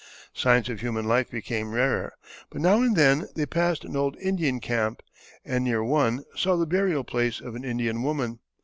Signs of human life became rarer, but now and then they passed an old Indian camp, and near one saw the burial place of an Indian woman.